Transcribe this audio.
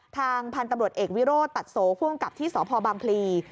ทางพันธุ์ตำรวจเอกวิโรธตัดโสผู้กำกับที่สพบางพลี